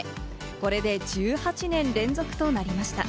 これで１８年連続となりました。